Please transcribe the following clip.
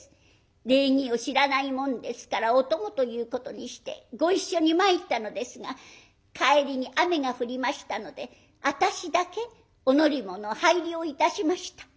礼儀を知らないもんですからお供ということにしてご一緒に参ったのですが帰りに雨が降りましたので私だけお乗り物を拝領いたしました。